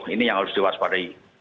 ini yang harus diwaspadai